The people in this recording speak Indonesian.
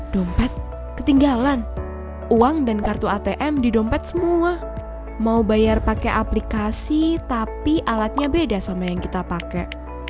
dompet ketinggalan uang dan kartu atm di dompet semua mau bayar pakai aplikasi tapi alatnya beda sama yang kita pakai